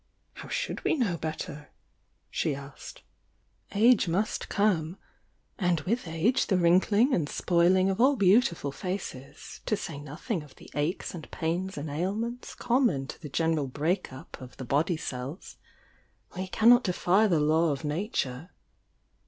"How should we know better?" she asked. "Age If*" 186 THE YOUXG DIAXA must come, — and with age the wrinkling and spoil ing of all beautiful faces, to say nothing of the aches and pains and ailments common to a general break up of the body cells. We cannot defy the law of Nature."